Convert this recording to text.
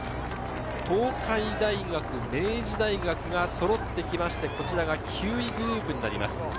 東海大学、明治大学がそろってきまして、９位グループです。